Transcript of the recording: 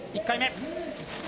１回目。